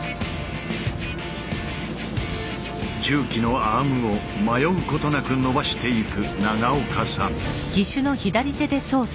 重機のアームを迷うことなく伸ばしていく長岡さん。